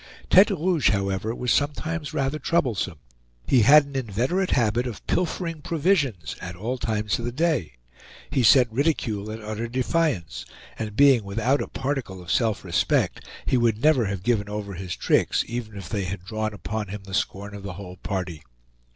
Tete Rouge, however, was sometimes rather troublesome; he had an inveterate habit of pilfering provisions at all times of the day. He set ridicule at utter defiance; and being without a particle of self respect, he would never have given over his tricks, even if they had drawn upon him the scorn of the whole party.